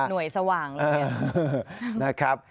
หน่วยสว่างเลยนะครับ